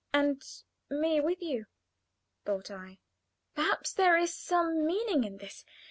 "And me with you," thought I. "Perhaps there is some meaning in this.